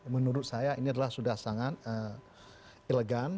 menurut saya ini adalah sudah sangat elegan